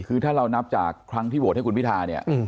คือถ้าเรานับจากครั้งที่โหวตให้คุณพิธาเนี่ย